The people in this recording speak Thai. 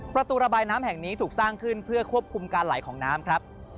ประตูระบายน้ำแห่งนี้ถูกสร้างขึ้นเพื่อควบคุมการไหลของน้ำครับ